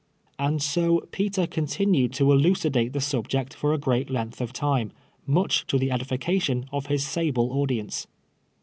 " and so Peter C(^ntinued to elucidate the subject fn' a great length of time, much to the edification of his sable audience.